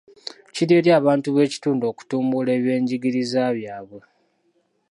Kiri eri abantu b'ekitundu okutumbula ebyenjigiriza byabwe.